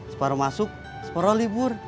separuh masuk separuh libur